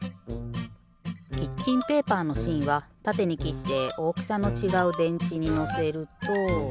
キッチンペーパーのしんはたてにきっておおきさのちがうでんちにのせると。